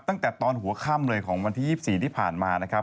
ตั้งแต่ตอนหัวค่ำเลยของวันที่๒๔ที่ผ่านมานะครับ